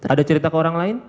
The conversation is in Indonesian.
ada cerita ke orang lain